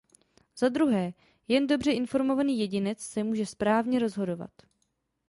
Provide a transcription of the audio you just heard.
Za druhé, jen dobře informovaný jedinec se může správně rozhodovat.